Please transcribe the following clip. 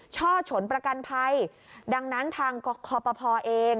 ช่อฉนประกันภัยดังนั้นทางคอปภเอง